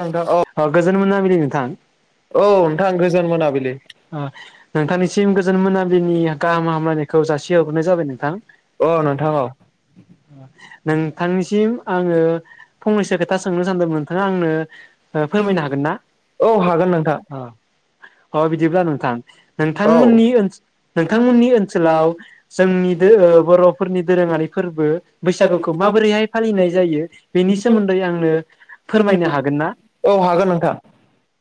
नोंथां औ अ गोजोन मोनाबिलि नोंथां। औ ओ नोंथां गोजोन मोनाबिलि नोंथांनिसिम गोजोन मोनाबिलिनि गाहाम हामलायनायखौ जासिहहरनाय जाबाय नोंथां। औ नोंथां औ नोंथांनिसिम आङो फंनैसो खोथा सोंनो सानदोंमोन नोंथाङा आंनो ओ फोरमायनो हागोन ना औ हागोन नोंथां अ बिदिब्ला नोंथां औ नोंथांमोननि ओ नोंथांमोननि ओनसोलाव जोंनि दो बर'फोरनि दोरोङारि फोर्बो बैसागुखौ माबोरैहाय फालिनाय जायो बेनि सोमोन्दै आंनो फोरमायनो हागोन ना औ हागोन नोंथां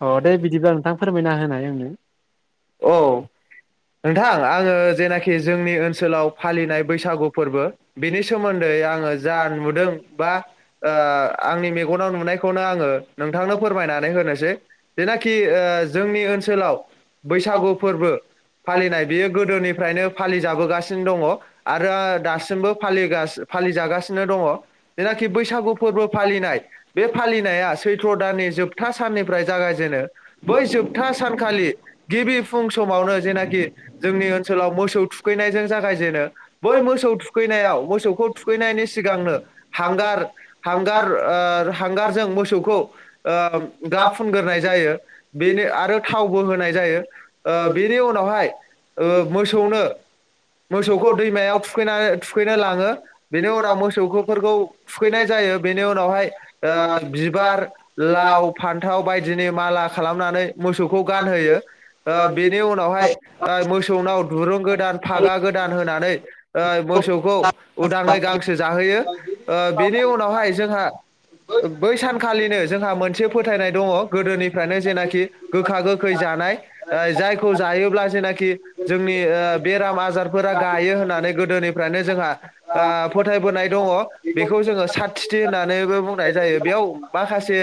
अ दे बिदिब्ला नोंथां फोरमायना होनाय आंनो औ नोंथां आङो जेनाखि खि जोंनि ओनसोलाव फालिनाय बैसागु फोर्बो बेनि सोमोन्दै आङो जा नुदों बा ओ आंनि मेगनाव नुनायखौनो आङो नोंथांनो फोरमायनानै होनोसै जेनाखि ओ जोंनि ओन्सोलाव बैसागु फोर्बो फालिनाय बियो गोदोनिफ्रायनो फालि जाबोगासिनो दङ आरो दासिमबो फालिगा-फालिजागासिनो दङ जेनाखि बैसागु फोर्बो फालिनाय बे फालिनाया सैथ्र दाननि जोबथा साननिफ्राय जागायजेनो बै जोबथा सानखालि गिबि फुं समावनो जेनाखि जोंनि ओन्सोलाव मोसौ थुखैनायजों जागायजेनो। बै मोसौ थुखैनायाव मोसौखौ थुखैनायनि सिगांनो हांगार हांगार ओ हांगारजों मोसौखौ ओ गाब फुनग्रोनाय जायो बेनो आरो थावबो होनाय जायो ओ बेनि उनावहाय ओ मोसौनो मोसौखौ दैमायाव थुखैनानै थुखैनो लाङो बेनि उनाव मोसौफोरखौ थुखैनाय जायो बेनि उनावहाय ओ बिबार लाव, फान्थाव बायदिनि माला खालामनानै मोसौखौ गानहोयो ओ बेनि उनावहाय ओ मोसौनाव दुरुं गोदान फागा गोदान होनानै ओ मोसौखौ उदाङै गांसो जाहोयो ओ बेनि उनावहाय जोंहा बै सानखालिनो जोंहा मोनसे फोथायनाय दङ गोदोनिफ्रायनो जेनाखि गोखा गोखै जानाय जायखौ जायोब्ला जेनाखि जोंनि ओ बेराम आजारफोरा गायो होननानै गोदोनिफ्रायनो जोंहा आ फोथायबोनाय दङ बेखौ जोङो सादथिथि होननानैबो बुंनाय जायो बेयाव माखासे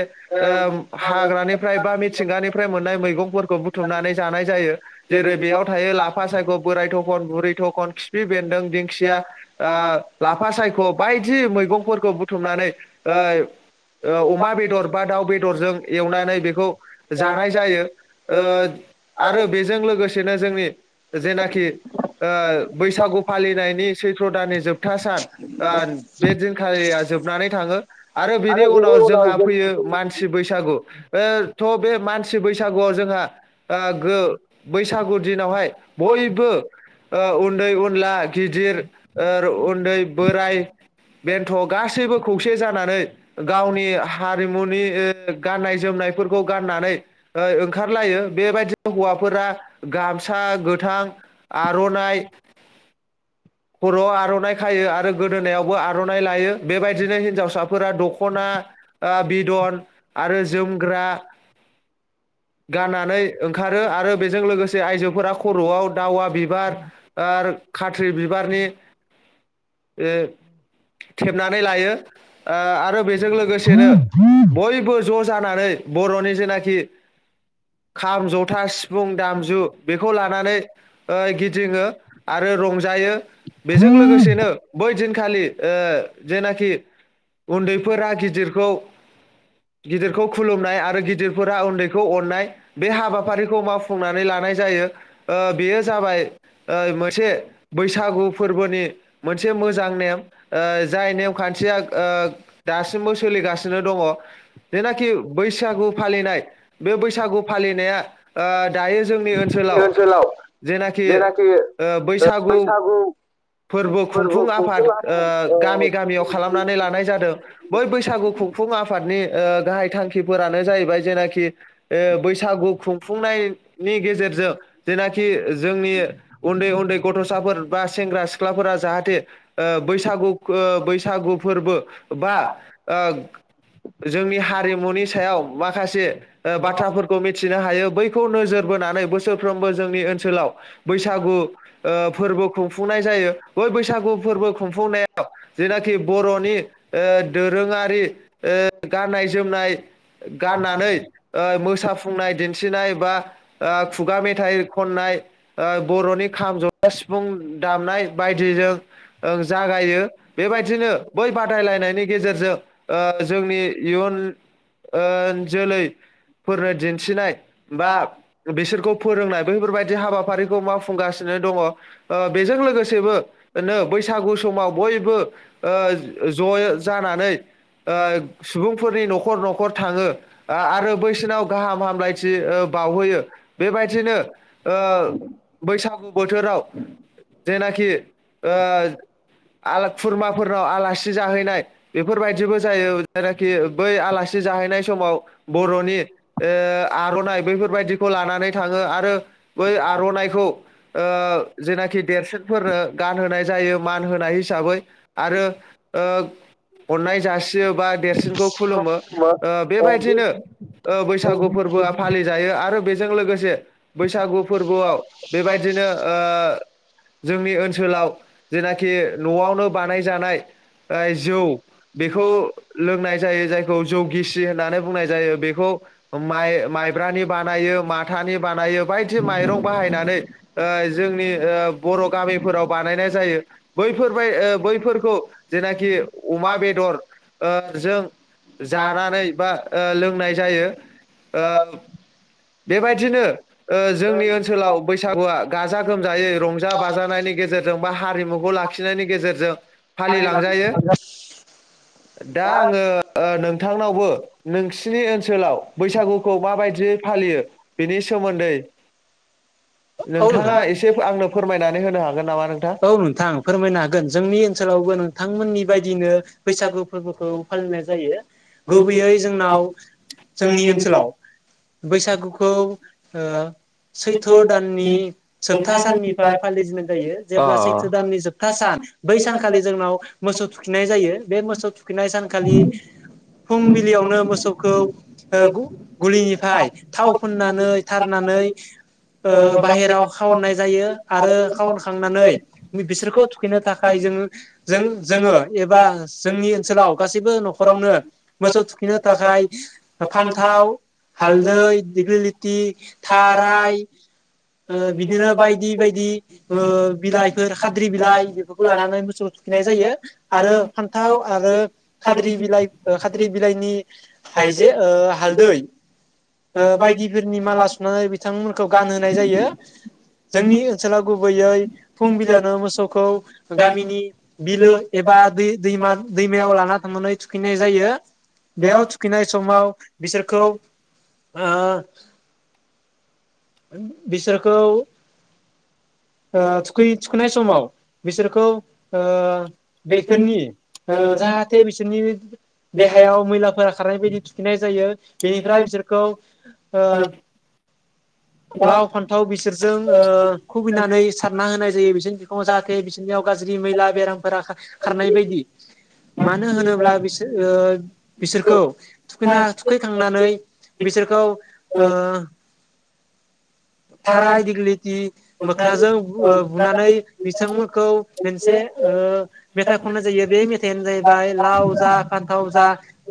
हाग्रानिफ्राय बा मिथिंगानिफ्राय मोननाय मैगंफोरखौ बुथुमनानै जानाय जायो। जेरै बेयाव थायो लाफ लाफा सायख बोराय थखन बुरै थखन खिफि बेन्दों दिंखिया ओ लाफा सायख बायदि मैगंफोरखौ बुथुमनानै ओ ओ अमा बेदर बा दाउ बेदरजों एवनानै बेखौ जानाय जायो आरो बेजों लोगोसेनो जोंनि जेनाखि ओ बैसागु फालिनायनि सैथ्र दाननि जोबथा सान ओ बे दिनखालिया जोबनानै थाङो आरो बिनि उनाव जोंहा फैयो मानसि बैसागु बे थ बे मानसि बैसागुआव जोंहा ओ ओ बैसागु दिनावहाय बयबो ओ उन्दै उनला गिदिर ओर उन्दै बोराइ बेन्थ गासैबो खौसे जानानै गावनि हारिमुनि गाननाय जोमनायफोरखौ गाननानै ओ ओंखारलायो बेबायदि हौवाफोरा गामसा गोथां, आरनाइ खरआव आरनाइ खायो आरो गोदोनायावबो आरनाइ लायो। बेबायदिनो हिन्जावसाफोरा दखना आ बिदन आरो जोमग्रा गाननानै ओंखारो आरो बेजों लोगोसे आइजोफोरा खरआव दावा बिबार आर खाथ्रि बि बारनि ओ थेनानै लायो आरो बेजों लोगोसेनो बयबो ज जानानै बरनि जेनाखि खाम जथा सिफुं दामजु बेखौ लानानै ओ गिदिङो आरो रंजायो बेजों लोगोसेनो बै दिनखालि ओ जेनाखि उन्दैफोरा गिदिरखौ गिदिरखौ खुलुमनाय आरो गिदिरफोरा उन्दैखौ अननाय बे हाबाफारिखौ मावफुंनानै लानाय जा जायो ओ बेयो जाबाय ओइ मोसे सागु फोरबोनि मोनसे मोजां नेम ओ जाय नेम खान्थिया ओ दासिमबो सोलिगासिनो दङ जेनाखि बैसागु फालिनाय बे बैसागु फालिनाया ओ दायो जोंनि ओनसोलाव जेनाखि ओ बैसागु फोरबो खुंफुं आफाद ओ गामि गामियाव खालामनानै लानाय जादों बै बैसागु खुंफुं आफादनि ओ गाहाय थांखिफोरानो जाहैबाय जेनाखि ओ बैसागु खुंफुंनायनि गेजेरजों जेनाखि जोंनि उन्दै उन्दै गथसाफोर बा सेंग्रा सिख्लाफोरा जाहाथे ओ बैसागु ओ बैसागु फोरबो बा ओ जोंनि हारिमुनि सायाव माखासे बाथ्राफोरखौ मि थिनो हायो बैखौ नोजोर बोनानै बोसोरफ्रोमबो जोंनि ओनसोलाव बैसागु ओ फोरबो खुंफुंनाय जायो बै बैसागु फोरबो खुंफुंनाय जेनाखि बर'नि ओ दोरोंङारि ओ गाननाय जोमनाय गाननानै मोसाफुंनाय दिन्थिनाय बा आ खुगा मेथाइ खननाय ओ बर'नि खाम जथा सि फुं दामनाय बायदिजों ओं जागायो बेबायदिनो बै बादायलायनायनि गेजेरजों ओ जोंनि इयुन ओ जोलैफोरनो दिन्थिनाय बा बिसोरखौ फोरोंनाय बेैफोरबाय दि हाबाफारिखौ मावफुंगासिनो दंङ। ओ बेजों लोगोसेबो ओनो बैसागु समाव बयबो ओ ज' जानानै ओ सुबुं फोरनि न'खर न'खर थाङो। आ आरो बैसिनाव गाहाम हाम ब्लायथि ओ बाउहैयो। बेबायदिनो ओ बैसागु बोथोराव जायनाखि ओ आला खुरमाफोर नाव आलासि जाहैनाय बेफोर बायदिबो जायो जायना खि बै आलासि जाहैनाय समाव बर'नि ओ आर'नाय बैफोर बायदिखौ लानानै थांङो आरो बै आर'नायखौ ओ जेना खि देरसिनफोरनो गान होनाय जायो। मान होनाय हिसाबै आरो ओ अननाय जासियो बा देरसिनखौ खुलुमो ओ बेबायदिनो ओ बैसागु फोरबोआ फालिजायो आरो बेजों लोगोसे बैसागु फोरबोआव बेबायदिनो ओ जोंनि ओनसोलाव जेनाखि नआवनो बानायजानाय जौ बेखौ लोंनाय जायो जायखौ जौ गिसि होननानै बुंनाय जायो बेखौ माय मायब्रानि बानायो माथानि बानायो बायदि मायरं बाहायनानै ओ जोंनि ओ बर'गामिफोराव बानायनाय जायो बैफोरबाय ओ बैफोरखौ जेनाखि अमा बेदर ओ जों जानानै बा ओ लोंनाय जायो। ओ। बेबायदिनो ओ जोंनि ओनसोलाव बैसागुआ गाजा गोमजायै रंजा बाजानायनि गेजेरजों बा हारिमुखौ लाखिनायनि गेजेरजों फालिलांनो फालिलांजायो हागोन। दा आङो नोंथांनावबो नोंसिनि ओनसोलाव बैसागुखौ माबायदियै फालियो बेनि सोमोन्दै औ नोंथाङा नोंथां एसे आंनो फोर औ नोंथां फोरमायनो हागोन जों ओनसोलावबो नोंथांमोननि बायदिनो बैसागु फोरबोखौ फालिनाय जायो गुबैयै जोंनाव जोंनि ओनसोलाव बैसागुखौ ओ सैथ' नि जोबथा साननिफ्राय फालिजेननाय जायो जेब्ला सैथो दाननि जोबथा सान सानखालि जोंनाव मोसौ थुखैनाय जायो बे मोसौ थुखैनाय सानखालि अ फुंबिलियावनो मोसौखौ ओ गु गुलिनिफ्राय थाव फुननानै थारनानै ओ बाहेराव खावननाय जायो आरो खावनखांनानै बिसोरखौ थुखैनो थाख खाय जोङो जों जोङो एबा जोंनि ओनसोलाव गासैबो नख'रावनो मोसौ थुखैनो थाखाय फान्थाव हालदै दिग्लिलिथि थाराय ओ बिदिनो बायदि बायदि ओ बिलाइफोर खाद्रि बिलाइ बेफोरखौ लानानै मोसौ थुखिनाय जायो आरो फान्थाव आरो खाद्रि बिलाइ खाद्रि बिलाइनि हायजे ओ हालदै ओ बायदिफोरनि माला सुनानै बिथांमोनखौ गानहोनाय जायो जोंनि ओनसोलाव गुबैयै फुंबिलियावनो मोसौखौ गामिनि बिलो एबा दै दैमा दैमायाव लाना थांनानै थुखैनाय जायो बेयाव थुखैनाय समाव बिसोरखौ ओह बिसोरखौ ओ थुखैै थुखैनाय समाव बिसोरखौ ओ बेफोरनि ओ जाहाथे बिसोरनि देहायाव मैलाफोरा खारनाय बायदि थुखैनाय जायो बेनिफ्राय बिसोरखौ ओ लाव फान्थाव बिसोरजों ओ खुबैनानै सारना होनाय जायो बिसोरनि बिखुङाव जाहाथे बिसोरनियाव गाज्रि मैला बेरामफोरा खार खारनाय बायदि मानो होनोब्ला बिसो ओ बिसोरखौ थुखैना थुखैखांनानै बिसोरखौ ओ थाराय दिगलिटि मोख्नाजों बु ओ बुनानै बिथांमोनखौ मोनसे ओ मेथाइ खननाय जायो बे मेथायानो जाहैबाय लाव जा फान्थाव जा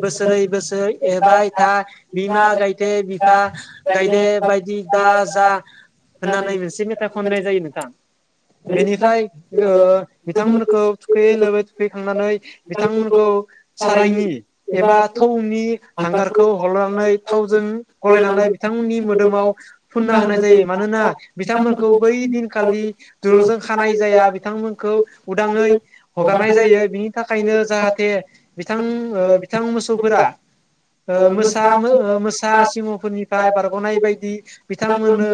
बोसोरै बोसोरै एरबाय था बिमा गायदे बिफा गायदे बाय [unintelligible] जा होननानै मोनसे मेथाइ खननाय जायो नोंथां। बेनिफ्राय ओ बिथांमोनखौ थुखैयै लोबै थुखैखांनानै बिथांमोनखौ सारायनि एबा थौनि हांगारखौ हलनानै थावजों गलायनानै बिथांमोननि मो दोमाव [inaudible] फुनना होनाय जायो मानोना बिथांमोनखौ बै दिनखालि दुरुंजों खानाय जाया बिथांमोनखौ उदाङै हगारनाय जायो बिनि थाखायनो जाहाथे बिथां ओ बिथां मोसौफोरा ओ मोसा ओ मोसा सिंहफोरनिफ्राय बारगनाय बायदि बिथांमोननो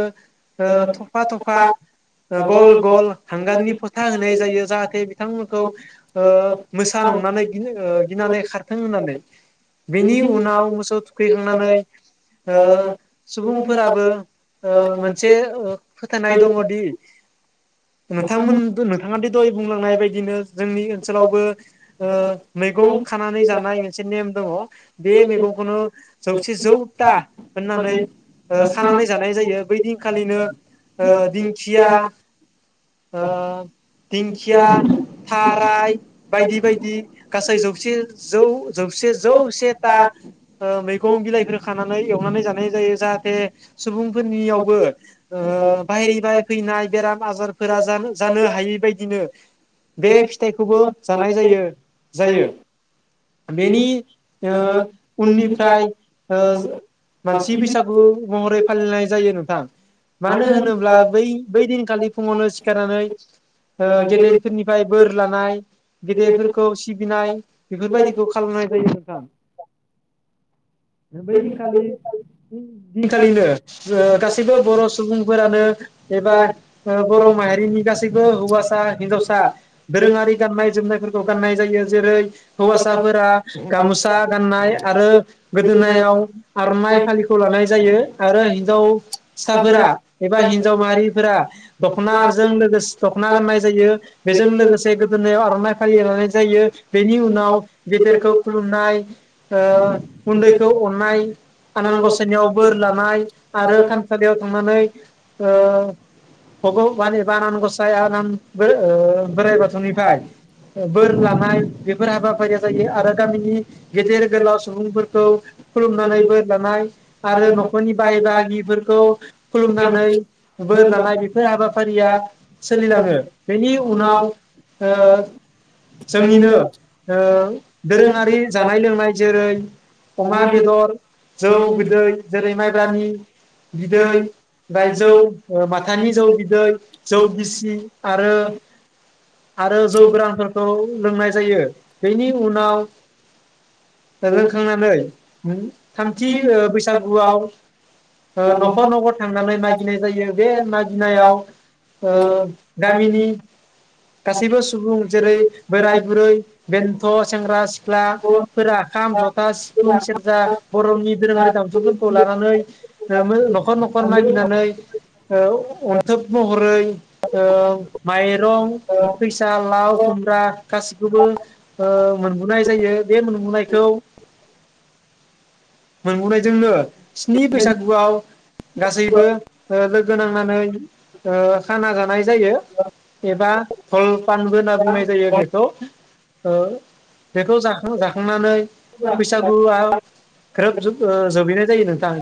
ओ थफा थफा ओ गल गल हांगारनि फोथा होनाय जायो जाहाथे बिथांमोनखौ ओ मोसा नंनानै ओ गिनानै खारथों होननानै बेनि उनाव मोसौ थुखैखांनानै ओ सुबुं फोराबो ओ मोनसे ओ फोथायनाय दङदि नोंथांमोन नोंथाङा दि दय बुंलांनाय बायदिनो जोंनि ओनसोलावबो ओ मैगं खानानै जानाय मोनसे नेम दङ बे मैगंखौनो जौसे जौता होननानै ओ खानानै जानाय जायो बै दिनखालिनो ओ दिंखिया ओ दिंखिया थाराय बायदि बायदि गासै जौसे जौ जौसे जौ सेता ओ मैगं बिलाइफोर खानानै एवनानै जानाय जायो जाहा थे सुबुंफोरनियावबो ओ बाहेरनिफाय फैनाय बेराम आजारफोरा जानो जानो हायि बादिनो बे फिथाइखौबो जानाय जायो जायो बेनि ओ उननिफ्राय ओ मानसि बैसागु गु महरै फालिनाय जायो नोंथां मानो होनोब्ला बै बै दिनखालि फुङावनो सिखारनानै ओ गेदेरफोरनिफ्राय बोर लानाय गेदेरफोरखौ सिबिनाय बेफोरबायदिखौ खालामनाय जायो नोंथां बैदिनखालि दिनखालिनो ओ गासैबो बर सुबुंफोरानो एबा ओ बर माहारिनि गासैबो हौवासा हिन्जावसा दोरोङारि गाननाय जोमनायफोरखौ गाननाय जायो जेरै हौवासाफोरा गामोसा गाननाय आरो गोदोनायाव आरनाय खौ लानाय जायो आरो हिनजाव साफोरा एबा हिनजाव माहारिफोरा दखनाजों लोगोसे दखना गाननाय जायो बेजों लोगोसे गोदोनायाव [unintelligible] जायो बेनि उनाव गेदेरखौ खुलुमनाय ओ उन्दैखौ अननाय आनान ग नियाव बोर लानाय आरो थानसालियाव थांनानै ओ फगबान एबा आनान गसाइ आनान बो ओ बोराइ बाथौनिफ्राय बोर लानाय बेफोर हाबाफारिया जायो आरो गामिनि गेदेर गोलाव सुबुंफोरखौ खुलुमनानै बोर लानाय। आरो नखरनि बाइ गागिफोरखौ खुलुमनानै बोर लानाय बेफोर हाबा फारिया सोलिलाङो बेनि उनाव ओ जोंनिनो ओ दोरोङारि जानाय लोंनाय जेरै अमा बेदर जौ बिदै जेरै माइब्रानि बिदै फाय जौ ओ माथानि जौ बिदै जौ गिसि आरो आरो जौ गोरानफोरखौ लोंनाय जायो बेनि उनाव लोंखांनानै थामथिओ। बैसागुआव। ओ नखर नखर थांनानै मा गिनाय जायो बे मा गिनायाव ओ। गामिनि गासैबो सुबुं। जेरै बोराय बुरै बेन्थ सेंग्रा सिख्लाफोरा खाम जथा सिफुं सेरजा बरनि दोरोङारि। दामजुफोरखौ लानानै न'खर न'खर मागिनानै ओ अन्थोब महरै ओ माइरं फैसा लाव, खुमब्रा गासिखौबो ओ मोनबोनाय जायो बे मोनबोनायखौ मोनबोनाय जोंनो। स्नि बैसागुआव गासैबो ओ लोगो नांनानै ओ खाना जानाय जायो एबा हल पानबो होनना बुंनाय जायो बेखौ। ओ बेखौ जाखां-जाखांनानै। फैसागु आ ग्रोब ज ओ जोबहैनाय जायो नोंथां।